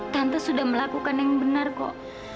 tante sudah melakukan yang benar kok